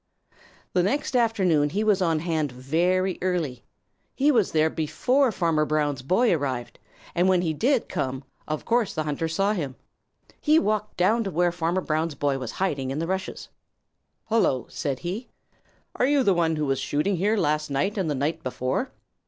The next afternoon he was on hand very early. He was there before Farmer Brown's boy arrived, and when he did come, of course the hunter saw him. He walked down to where Farmer Brown's boy was hiding in the rushes. "Hello!" said he. "Are you the one who was shooting here last night and the night before?"